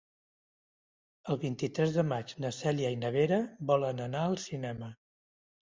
El vint-i-tres de maig na Cèlia i na Vera volen anar al cinema.